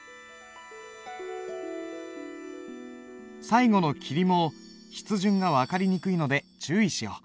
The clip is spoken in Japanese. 最後の「霧」も筆順が分かりにくいので注意しよう。